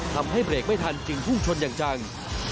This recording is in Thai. ทำให้เบรกไม่ทันจึงพุ่งชนอย่างจัง